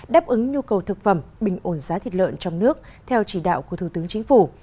đáp ứng nhu cầu thực phẩm bình ổn giá thịt lợn trong nước theo chỉ đạo của thủ tướng chính phủ